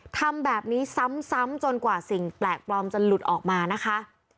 ทำแบบนี้ซ้ำจนกว่าสิ่งแปลกปลอมจะหลุดออกมานะคะ